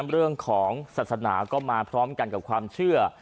เรื่องของศาสนาก็มาพร้อมกันกับความเชื่อ